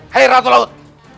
hai ratu laut